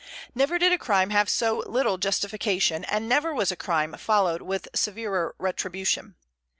Never did a crime have so little justification, and never was a crime followed with severer retribution.